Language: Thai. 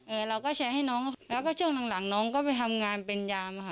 เราก็แชร์ให้น้องแล้วก็ช่วงหลังหลังน้องก็ไปทำงานเป็นยามค่ะ